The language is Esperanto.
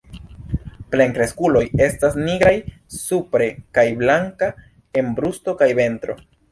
Plenkreskuloj estas nigraj supre kaj blankaj en brusto kaj ventro.